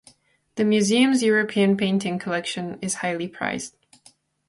The museum's European painting collection is highly prized.